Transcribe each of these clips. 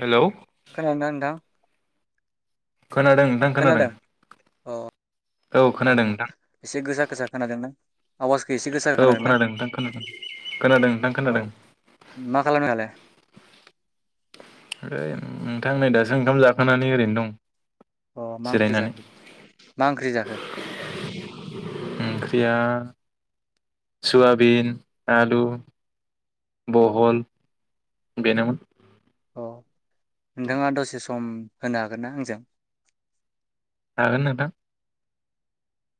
Hello खोनादों ना नोंथां‌? खोनादों नोंथां खोनादों औ औ खोनादों नोंथां एसे गोसा गोसा खोनादों ना आवाजखौ एसे गोसा औ खोनादोंना खोनादों नोंथां खोनादों खोनादों नोंथां औ खोनादों मा खालामदों दालाइ? नोंथां नै दासो ओंखाम जाखांनानै ओरैनो दं। अ मा ओंख्रि जिरायनानै जाखो मा ओंख्रि जाखो? सुयाबिन आलु बहल बेनोमोन अ नोंथाङा दसे सम होनो हागोन ना आंजों हागोन नोंथां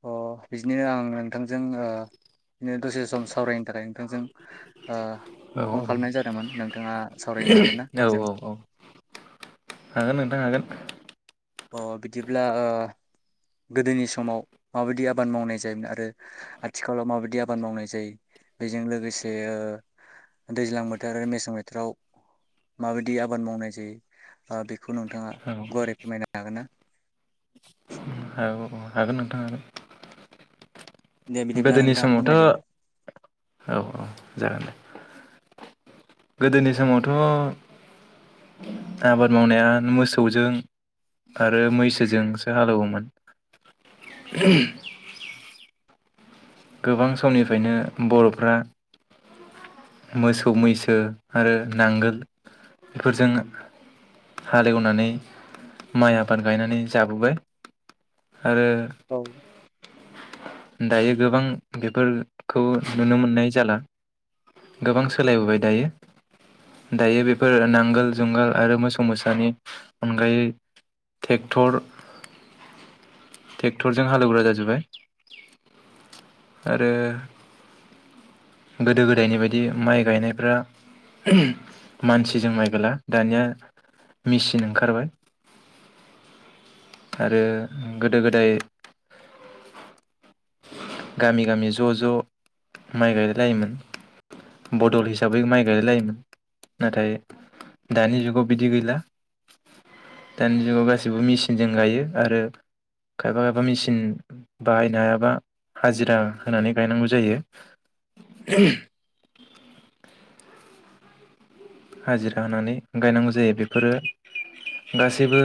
अ बिदिनो आं नोंथांजों ओ बिदिनो दसे सम सावरायनो थाखाय नोंथांजों ओ औ फन खालामनाय जादोंमोन नोंथाङा सावरायनो हागोन ना औ आंजों औ हागोन नोंथां हागोन अ बिदिब्ला ओ गोदोनि समाव माबादि आबाद मावनाय जायोमोन आरो आथिखालाव माबादि आबाद मावनाय जायो बेजों लोगोसे दैज्लां बोथोर आरो मेसें बोथोराव माबादि आबाद मावनाय जायो ओ बेख खौ नोंथाङा औ गुवारै फोरमाय गोनना? औ औ हागोन नोंथां हागोन दे बिदिब्ला गोदोनि नोंथाङा समावथ' फोरमायदो औ औ जागोन दे गोदोनि समावथ' आबाद मावनाया मोसौजों आरो मैसोजोंसो हालेवोमोन। गोबां समनिफ्रायनो बर'फ्रा मोसौ मैसो आरो नांगोल बेफोरजों हालेवनानै माइ आबाद गायनानै जाबोबाय। आरो औ दायो गोबां बेफोरखौ नुनो मोननाय जाला गोबां सोलायबोबाय दायो दायो बेफोर नांगोल जुंगाल आरो मोसौ मोसानि अनगायै ट्रेक्टर ट्रेक्टरजों हालेवग्रा जाजोबबाय आरो गोदो गो दायनि बायदि माइ गायनायफ्रा मानसिजों माइ गायला दानिया मेचिन ओंखारबाय। आरो गोदो गोदाय गामि गामि ज' ज' माइ गायलाय लायोमोन बदल हिसाबै माइ गायलाय लायोमोन नाथाय दानि जुगाव बिदि गैला दानि जुगाव गासिबो मेचि जों गायो आरो खायफा खायफा मेचिन बाहायनो हायाबा हाजिरा होनानै गायनांगौ जायो। हाजिरा होनानै गायनांगौ जायो बेफोरो गासैबो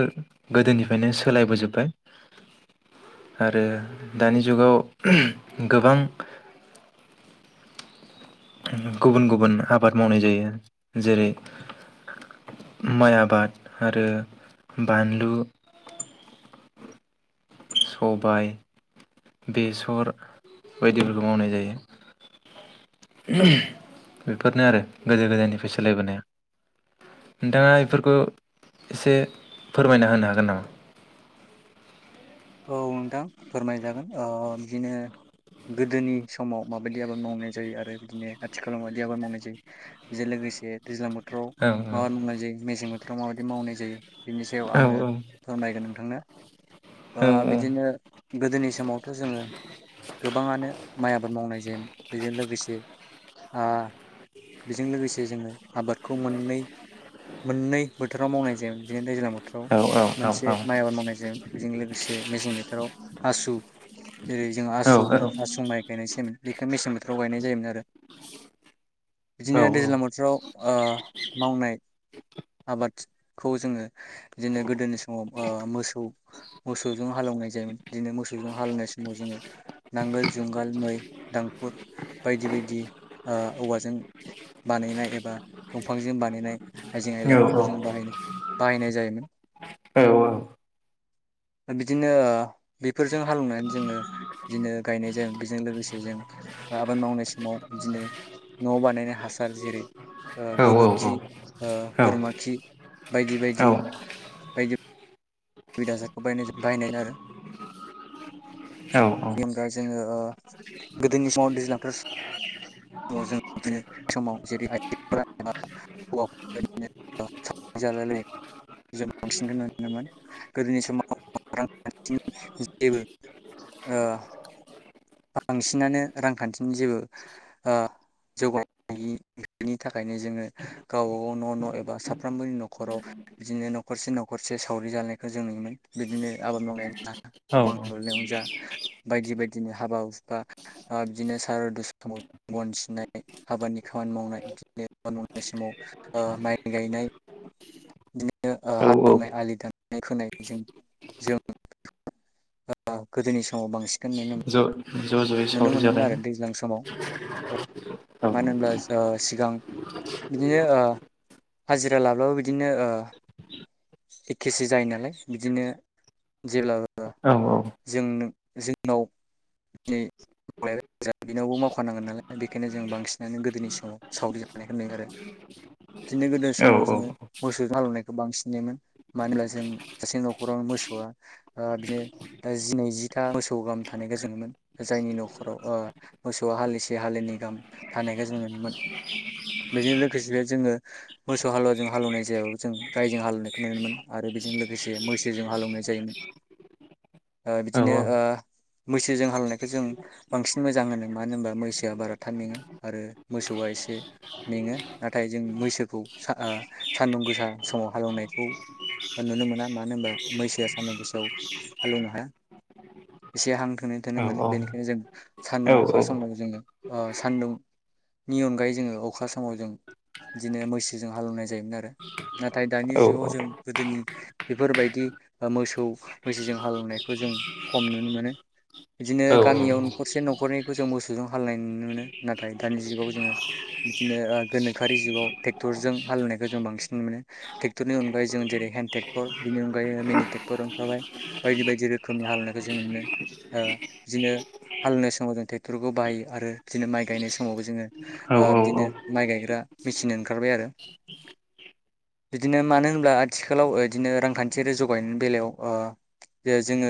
गोदोनिफ्रायनो सोलायबोजोब्बाय आरो दानि जुगाव गोबां गुबुन गुबुन आबाद मावनाय जायो जेरै माइ आबाद आरो बानलु सबाय बेसर बायदिफोरखौ मावनाय जायो‌। बेफोरनो आरो गोदो गोदायनिफ्राय सोलायबोनाया नोंथाङा बेफोरखौ एसे फोरमायना होनो हागोन नामा? औ नोंथां फोरमायजागोन ओ बिदिनो गोदोनि समाव माबादि आबाद मावनाय जायो आरो बिदिनो आथिखालाव माबादि आबाद मावनाय जायो जे लोगोसे दैज्लां बो आव औ मा आबाद मावनाय जायो मेसें बोथोराव माबादि मावनाय जायो बिनि सायाव औ आङो फोरमायगोन नोंथांनो ओ औ बिदिनो गोदोनि समाव बेखौ जोङो गोबाङानो माइ आबाद मावनाय जायो जे बेजों लोगोसे ओ बेजों लोगोसे जोङो आबादखौ मोननै -मोननै बोथोराव मावनाय जायो बिदिनो दैज्ल औ औ [unintelligible] औ मोनसे माइ आबाद मावनाय जायोमोन बेजों लोगोसे मेसें बोथोराव आसु जेरै जों आसु होनो आसु माइ गायनायजायोमोन बेखौ मेसें बोथोराव गायनाय जायोमोन आरो औ बिदिनो दैज्लां बोथोराव ओ मावनाय आबादखौ जोङो बिदिनो गोदोनि समाव ओ मोसौ मोसौजों हालेवनाय जायोमोन बिदिनो मोसौजों हालेवनाय समाव जोङो नांगोल जुंगाल मै दांखुर बायदि बायदि औवाजों बानायनाय एबा दंफांजों बानायनाय आइजें -आयलाफोरखौ जों बाहायनो बाहायनाय जायोमोन बिदिनो बेफोरजों हालेवनानै जोङो बिदिनो गायनाय जायो बेजों लोगोसे जों आबाद मावनाय समाव बिदिनो नआव बानायनाय हासार जेरै गोबोरखि बोरमा खि बायदि बायदि बायदि [unintelligible] गोदोनि समाव [unintelligible] बांसिनानो रांखान्थिनि जेबो जौगानायनि [unintelligible] थाखायनो जोङो गावबा गाव न' न' एबा साफ्रोमबोनि न'खराव बिदिनो न'खरसे - न'खरसे सावरि जालनायखौ जों नुयोमोन बिदिनो आबाद मावनायनि औ [unintelligible] बायदि बायदिनो हाबा हुफा बिदिनो सारदु समाव बन सिनाय हाबानि खामानि मावनाय बिदिनो [unintelligible] मावनाय समाव माइ गायनाय बिदिनो औ औ हालेवनाय, आलि दाननाय, खोनायजों जों गोदोनि समाव बांसिन नुनो मोनो ज' ज जयै सावरि जानाय औ मानो होनब्ला सिगां बिदिनो हाजिरा लाब्लाबो बिदिनो ओ एखेसो जायो नालाय बिदिनो जेब्लाबो औ जों जोंनाव दिनैलायबाय बिनावबो मावखानांगोन नालाय बेखायनो जों बांसिनानो गोदोनि समाव सावरि जानायखौ नुयो आरो बिदिनो गोदोनि औ समाव जोङो मोसौ हालौवनायखौ बांसिन नुयोमोन मानो होनब्ला जों सासे नखरावनो मोसौआ बिदिनो जि नैजिथा मोसौ गाहाम थानायखौ [unintelligible] जायनि न'खराव ओ मोसौआ हाेसे हाललिनै गाहाम थानायखौ जों नुयोमोन बेजों लोगोसे जोङो मोसौ हालौवाजों हालेवनाय जायाबाबो जों गायजों हालेवनायखौ नुनोमोनमोन आरो बेजों लोगोसे मैसोजों हालेवनाय जायोमोन औ बिदिनो मैसोजों हालेवनाय जों बांसिन मोजां होनो मानो होनबा मैसोआ बाराथाब मेङा आरो मोसौआ एसे मेङो नाथाय जों मैसोखौ सा ओ सानदुं गोसा समाव हालेवनायखौ नुनो मोना मानो होनबा मैसोआ सानदुं गोसायाव हालौवनो हाया एसे हांथोननो थोननो औ मोनो बेनिखायनो जों सान्दुं अखा समाव औ जोङो सान्दुंनि अनगायै जोङो अखा समाव जों बिदिनो मैसोजों हालेवनाय जायोमोन आरो नाथाय दानि जुगाव जों गोदोनि बेफोरबायदि मोसौ मैसोजों हालेवनायखौ जों खम नुनो मोनो बिदिनो गामियाव न'खरसे न'खरनैबो जों मोसौजों हालेवनाय नुनो मोनो नाथाय दानि जुगाव जोङो बिदिनो गोनोखोआरि जुगाव ट्रेक्टरजों हालेवनायखौ जों बांसिन नुनो मोनो ट्रेक्टरनि अनगायै जों जेरै हेन्द ट्रेक्टर बिनि अनगायै मिनि ट्रेक्टर ओंखारबाय बायदि बायदि रोखोमनि हालेवनायखौ जों नुयो बिदिनो हालेवनाय समाव जों ट्रेक्टरखौ बाहायो आरो बिदिनो माइ गायनाय समावबो जोङो ओ बिदिनो माइ गायग्रा मेचिन ओंखारबाय आरो बिदिनो मानो होनब्ला आथिखालाव बिदिनो रांखान्थियारि जौगायनायनि बेलायाव ओ जोङो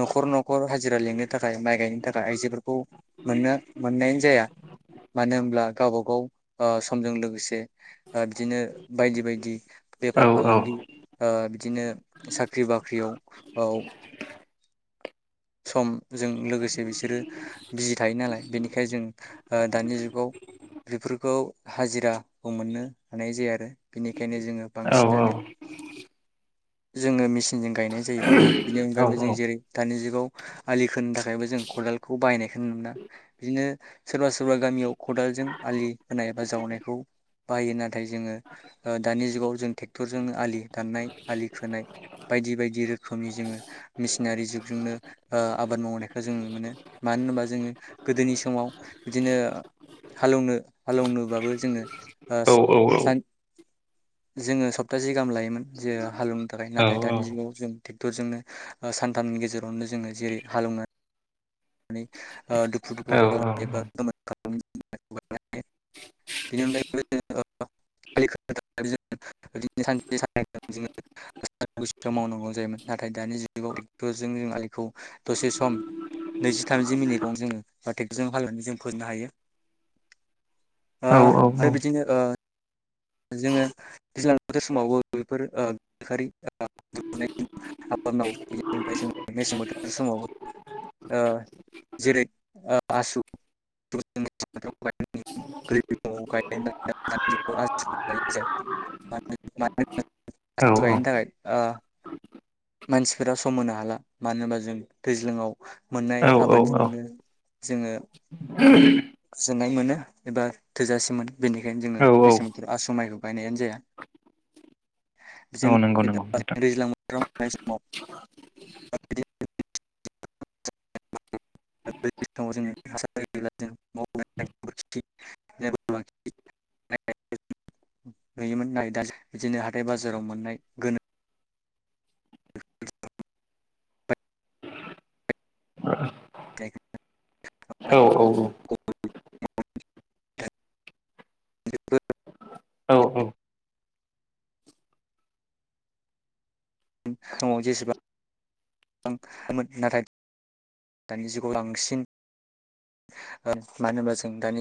न'खर न'खर हाजिरा लिङो थाखाय माइ गायनो थाखाय आइजोफोरखौ मोननो मोननायानो जाया मानो होनब्ला गावबा गाव समजों लोगोसे बिदिनो बायदि बायदि बेफार- फालांगिओ बिदिनो साख्रि- बाख्रियाव समजों लोगोसे बिसोरो बिजि थायो नालाय बेनिखायनो जों दानि जुगाव बेफोरखौ हाजिराबो मोननो हानाय जाया आरो बेनिखायनो जोङो बांसिनानो जोङो मेचिनजों गायनाय जायो बिनि अनगायैबो जों जेरै दानि जुगाव आलि खोनो थाखायबो जों खदालखौ बाहायनायखौ नुनो मोना बिदिनो सोरबा -सोरबा गामियाव खदालजों आलि होनाय बा जावनायखौ बाहायो नाथाय जोङो दानि जुगाव जों ट्रेक्टरजोंनो आलि दाननाय आलि खोनाय बायदि बायदि रोखोमनि जोङो मेसिनारि जुग जोंनो ओ आबाद मावनायखौ जों नुनो मोनो मानो होनोबा जोङो गोदोनि समाव बिदिनो हालेवनो हालेवनोबाबो जोङोओ औ औ सान जोङो सप्तासे गाहाम लायोमोन जे हालेवनो थाखाय औ नाथाय औ दानि जुगाव जों ट्रेक्टरजोंनो सानथामनि गेजेरावनो जोङो जेरै हालेवनो [unintelligible] औ मावनांगौ जायोमोन नाथाय दानि जुगाव ट्रेक्टरजों नों आलिखौ दसे सम नैजि थामजि मिनिटआव जोङो ट्रेक्टरजों हालेवनानै जों फोननो हायो ओ आरो बिदिनो ओ [unintelligible] [unintelligible] गायनो थाखाय मानसिफोरा सम होनो हाला मानो होनबा जों दैज्लाङाव मोननाय औ आबादजोंनो जोङो गोजोननाय मोनो एबा थोजासेमोनो बेनिखायनो जोङो औ मेसे बोथोराव आसु माइखौ गायनायानो जाया औ नंगौ नंगौ नोंथां [unintelligible] [unintelligible] नुयोमोन बिदिनो हाथाय बाजाराव मोननाय गोनो औ [inaudible] औ औ औ [inaudible] [unintelligible]